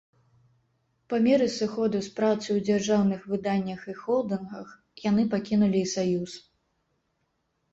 Па меры сыходу з працы ў дзяржаўных выданнях і холдынгах яны пакінулі і саюз.